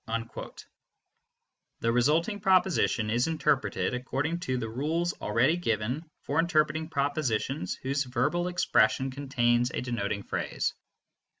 " The resulting proposition is interpreted according to the rules already given for interpreting propositions whose verbal expression contains a denoting phrase.